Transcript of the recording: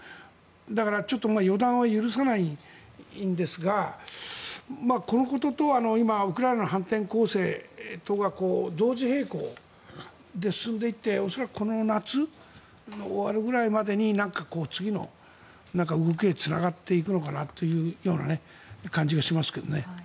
だから、予断を許さないんですがこのことと今、ウクライナの反転攻勢とが同時並行で進んでいって恐らく、この夏が終わるぐらいまでに次の動きへつながっていくのかなというような感じがしますけどね。